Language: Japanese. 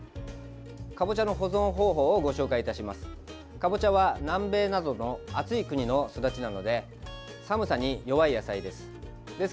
かぼちゃは南米などの暑い国の育ちなので寒さに弱い野菜です。